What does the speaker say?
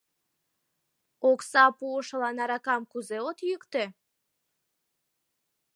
Окса пуышылан аракам кузе от йӱктӧ?